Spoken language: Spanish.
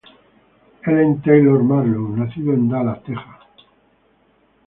Ellen Taylor Marlow nació en Dallas, Texas.